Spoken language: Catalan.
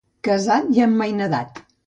Casat i emmainadat.